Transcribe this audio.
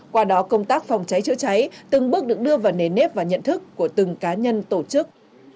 qua đó công tác phòng cháy chữa cháy từng bước được đưa vào nền nếp và nhận thức của từng cá nhân tổ chức